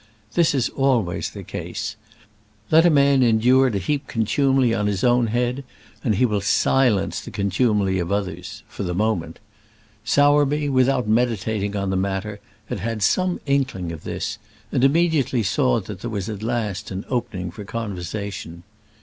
This is always the case. Let a man endure to heap contumely on his own head, and he will silence the contumely of others for the moment. Sowerby, without meditating on the matter, had had some inkling of this, and immediately saw that there was at last an opening for conversation.